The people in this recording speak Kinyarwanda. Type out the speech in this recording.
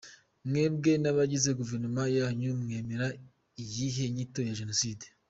Mwebwe n’abagize guverinoma yanyu, mwemera iyihe nyito ya génocide ?